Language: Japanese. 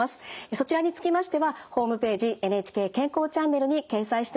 そちらにつきましてはホームページ「ＮＨＫ健康チャンネル」に掲載しています。